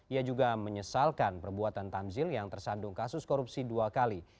ia juga menyesalkan perbuatan tamzil yang tersandung kasus korupsi dua kali